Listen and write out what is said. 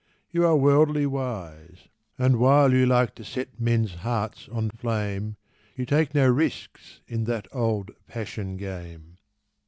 You are worldly wise, And while you like to set men's hearts on flame, You take no risks in that old passion game.